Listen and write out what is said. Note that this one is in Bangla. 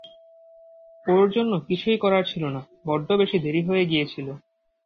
ওর জন্য কিছুই করার ছিল না, বড্ডো বেশি দেরি হয়ে গিয়েছিল।